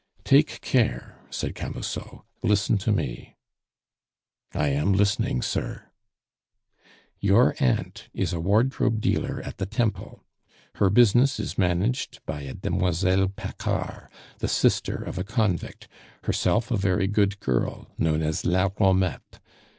"Take care," said Camusot; "listen to me." "I am listening, sir." "You aunt is a wardrobe dealer at the Temple; her business is managed by a demoiselle Paccard, the sister of a convict herself a very good girl, known as la Romette.